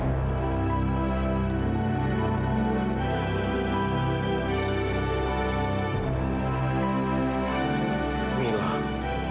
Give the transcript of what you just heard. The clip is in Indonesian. kenapa kamu tidur di sini sayang